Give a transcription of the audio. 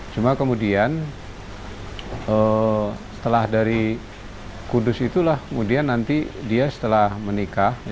cuma kemudian setelah dari kudus itulah kemudian nanti dia setelah menikah